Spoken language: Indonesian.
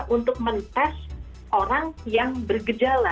untuk mentes orang yang bergejala